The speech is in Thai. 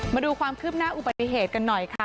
มาดูความคืบหน้าอุบัติเหตุกันหน่อยค่ะ